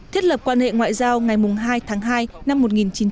thiết lập quan hệ ngoại giao ngày hai tháng hai năm một nghìn chín trăm năm mươi